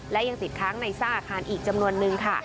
และยังติดค้างในซากอาคารอีกจำนวนนึงค่ะ